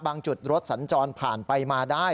จุดรถสัญจรผ่านไปมาได้